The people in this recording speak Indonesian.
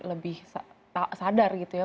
lebih sadar gitu ya